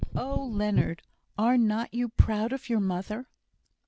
Oh, Leonard! are not you proud of your mother?"